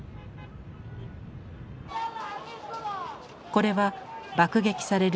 これは爆撃される